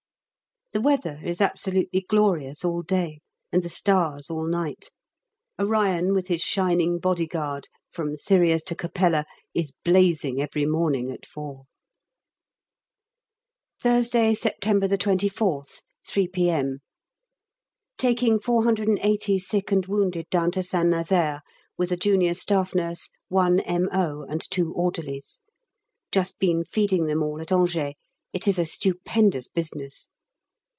The weather is absolutely glorious all day, and the stars all night. Orion, with his shining bodyguard, from Sirius to Capella, is blazing every morning at 4. Thursday, September 24th, 3 P.M. Taking 480 sick and wounded down to St Nazaire, with a junior staff nurse, one M.O., and two orderlies. Just been feeding them all at Angers; it is a stupendous business.